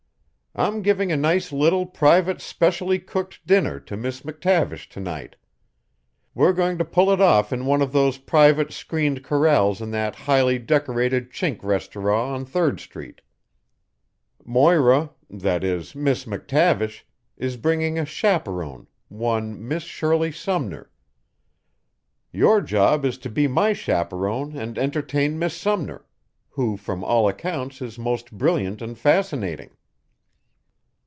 "I'm giving a nice little private, specially cooked dinner to Miss McTavish to night. We're going to pull it off in one of those private screened corrals in that highly decorated Chink restauraw on Third Street. Moira that is, Miss McTavish is bringing a chaperon, one Miss Shirley Sumner. Your job is to be my chaperon and entertain Miss Sumner, who from all accounts is most brilliant and fascinating."